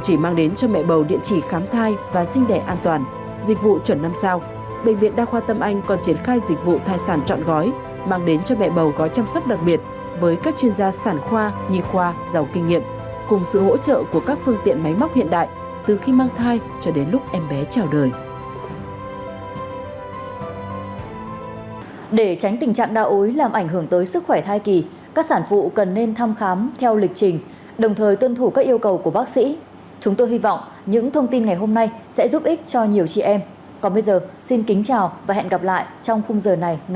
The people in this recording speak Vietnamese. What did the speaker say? các bác sĩ đến từ bệnh viện đa khoa tâm anh sẽ tư vấn cho quý vị về cách nhận biết cũng như sử trí khi gặp phải tình trạng đa ối